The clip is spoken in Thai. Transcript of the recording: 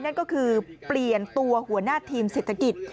นั่นก็คือเปลี่ยนตัวหัวหน้าทีมเศรษฐกิจ